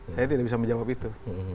saya tidak bisa menjawab itu